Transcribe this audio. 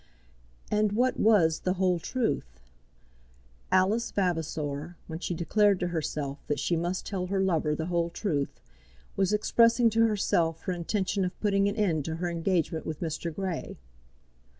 And what was the whole truth? Alice Vavasor, when she declared to herself that she must tell her lover the whole truth, was expressing to herself her intention of putting an end to her engagement with Mr. Grey.